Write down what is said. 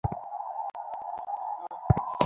প্রতিনিধিদল বলল, ইনি আমাদের গভর্নর।